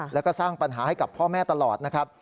แล้วก็สร้างปัญหาให้กับพ่อแม่ตลอดนะครับ